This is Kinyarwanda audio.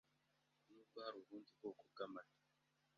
Nubwo hari ubundi bwoko bw’amata